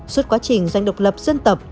suốt quá trình doanh độc lập dân tộc